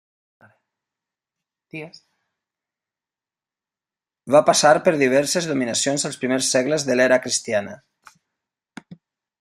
Va passar per diverses dominacions als primers segles de l'era cristiana.